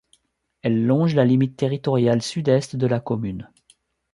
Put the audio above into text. Elle longe la limite territoriale sud-est de la commune.